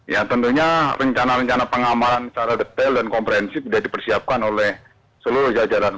ya tentunya rencana rencana pengamalan secara detail dan komprehensif sudah dipersiapkan oleh seluruh jajaran